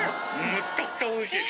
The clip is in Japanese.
めっちゃくちゃおいしい！